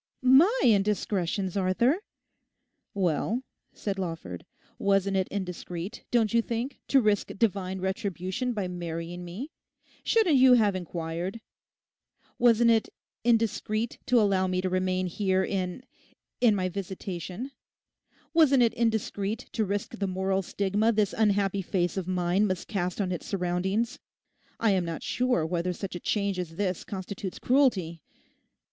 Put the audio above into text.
'My indiscretions, Arthur?' 'Well,' said Lawford, 'wasn't it indiscreet, don't you think, to risk divine retribution by marrying me? Shouldn't you have inquired? Wasn't it indiscreet to allow me to remain here in—in my "visitation?" Wasn't it indiscreet to risk the moral stigma this unhappy face of mine must cast on its surroundings? I am not sure whether such a change as this constitutes cruelty....